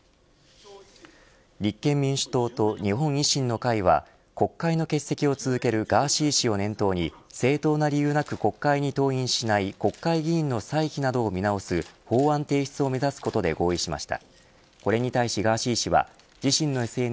立憲民主党と日本維新の会は国会の欠席を続けるガーシー氏を念頭に正当な理由なく国会に登院しない国会議員の歳費などを見直す法案提出を目指すことで合意しました。